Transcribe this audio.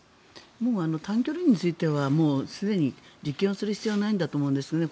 もう短距離についてはすでに実験をする必要はないんだと思うんですね。